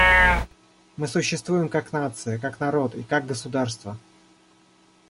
Мы существуем как нация, как народ и как государство.